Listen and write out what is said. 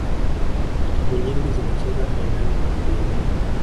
timu nyingi zinacheza fainali mara mbili